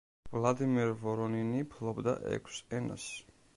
ვლადიმერ ვორონინი ფლობდა ექვს ენას.